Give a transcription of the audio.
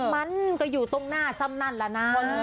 มันก็อยู่ตรงหน้าซ้ำนั่นแหละนะ